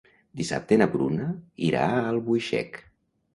Dissabte na Bruna irà a Albuixec.